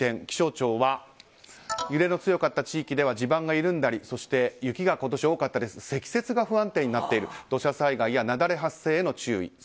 気象庁は揺れの強かった地域では地盤が緩んだりそして雪が今年多かったです積雪が不安定になっている土砂災害や雪崩発生に注意。